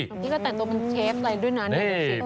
หลังที่ก็แต่งตัวเหมือนเชฟเลยด้วยนะ